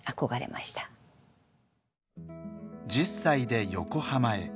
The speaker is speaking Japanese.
１０歳で横浜へ。